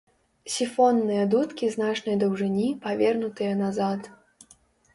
Сіфонныя дудкі значнай даўжыні, павернутыя назад.